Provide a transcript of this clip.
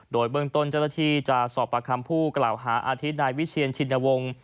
โดยเบื้องต้นเจ้าหน้าที่จะสอบประคำผู้กล่าวหาอาทิตย์นายวิเชียนชินวงศ์